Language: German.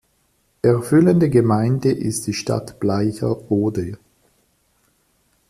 Erfüllende Gemeinde ist die Stadt Bleicherode.